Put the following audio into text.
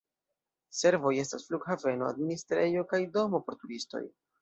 Servoj estas flughaveno, administrejo kaj domo por turistoj.